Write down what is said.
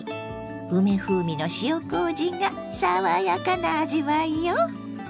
梅風味の塩こうじが爽やかな味わいよ！